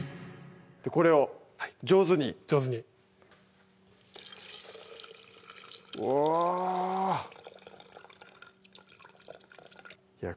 これを上手に上手におぉいや